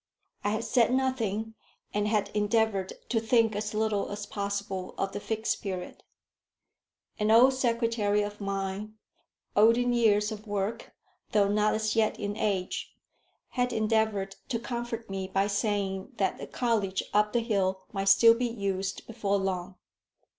I had said nothing, and had endeavoured to think as little as possible, of the Fixed Period. An old secretary of mine, old in years of work, though not as yet in age, had endeavoured to comfort me by saying that the college up the hill might still be used before long.